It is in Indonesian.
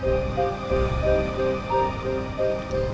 dia cuman khawatir kok